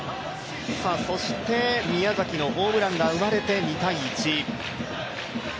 そして宮崎のホームランが生まれて２−１。